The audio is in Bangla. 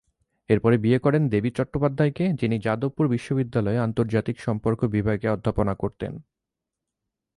এরপরে বিয়ে করেন দেবী চট্টোপাধ্যায়কে, যিনি যাদবপুর বিশ্ববিদ্যালয়ে আন্তর্জাতিক সম্পর্ক বিভাগে অধ্যাপনা করতেন।